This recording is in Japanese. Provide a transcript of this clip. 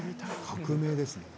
革命ですね。